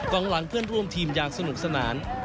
งหลังเพื่อนร่วมทีมอย่างสนุกสนาน